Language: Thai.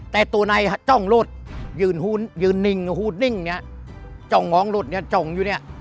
แต่ตัวนายจ้องรถยืนยืนนิ่งหูดนิ่งเนี่ยจ้องมองรถเนี่ยจ้องอยู่เนี่ย